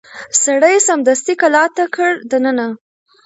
سړي سمدستي کلا ته کړ دننه